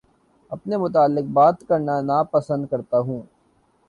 اپنے متعلق بات کرنا نا پسند کرتا ہوں